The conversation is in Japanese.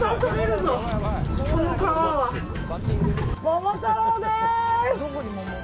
桃太郎です！